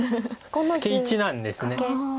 ツケ１段ですね。